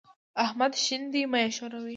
احمد شين دی؛ مه يې ښوروه.